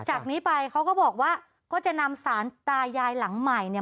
จากนี้ไปเขาก็บอกว่าก็จะนำสารตายายหลังใหม่เนี่ย